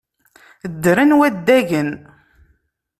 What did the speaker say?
Ddren waddagen.